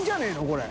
これ。